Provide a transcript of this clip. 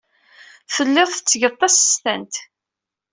Telliḍ tettgeḍ tasestant.